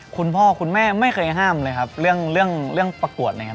คุณพ่อคุณแม่ไม่เคยห้ามเลยครับเรื่องเรื่องประกวดนะครับ